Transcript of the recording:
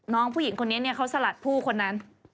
น้องผู้หญิงคนนี้เขาสลัดผู้คนนั้น